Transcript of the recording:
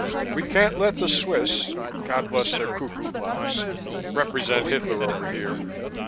We can't let the Swiss God bless their cuckoo clocks represent Hitler over here.